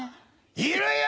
いるよ！